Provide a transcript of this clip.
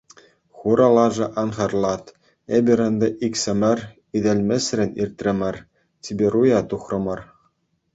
Хура лаша, ан хартлат: эпир ӗнтӗ иксӗмӗр ителмесрен иртрӗмӗр, чиперуя тухрӑмӑр.